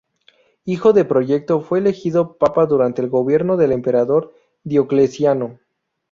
Hijo de Proyecto, fue elegido papa durante el gobierno del emperador Diocleciano.